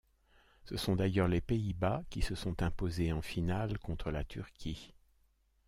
Ce sont d'ailleurs les Pays-Bas qui se sont imposés en finale contre la Turquie.